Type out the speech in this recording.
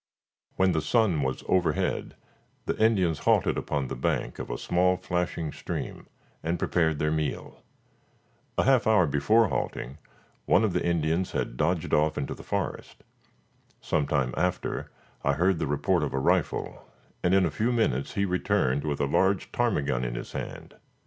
When the sun was overhead, the Indians halted upon the bank of a small flashing stream, and prepared their meal. A half hour before halting, one of the Indians had dodged off into the forest. Some time after I heard the report of a rifle, and in a few minutes he returned with a large ptarmigan in his hand.